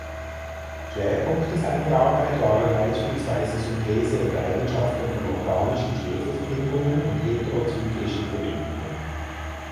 Schwerpunkte seiner Arbeit waren beispielsweise Synthese und Eigenschaften von organischen Schwefelverbindungen und heterocyclischen Verbindungen.